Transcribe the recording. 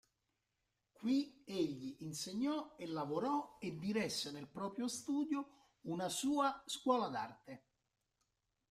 Qui egli insegnò e lavorò e diresse nel proprio studio una sua Scuola d'Arte.